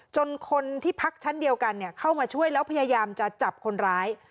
คนที่พักชั้นเดียวกันเข้ามาช่วยแล้วพยายามจะจับคนร้าย